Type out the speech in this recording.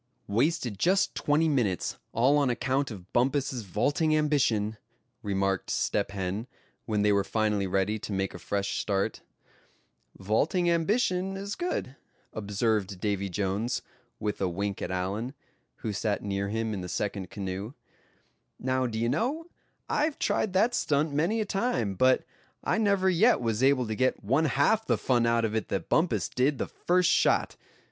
"Wasted just twenty minutes, all on account of Bumpus's vaulting ambition," remarked Step Hen, when they were finally ready to make a fresh start. "Vaulting ambition is good," observed Davy Jones, with a wink at Allan, who sat near him in the second canoe. "Now, d'ye know, I've tried that stunt many a time, but I never yet was able to get one half the fun out of it that Bumpus did the first shot.